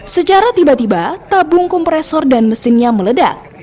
secara tiba tiba tabung kompresor dan mesinnya meledak